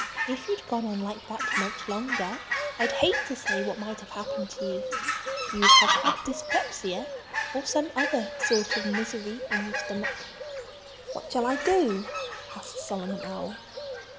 If you'd gone on like that much longer I'd hate to say what might have happened to you. You'd have had dyspepsia, or some other sort of misery in your stomach." "What shall I do?" asked Solomon Owl.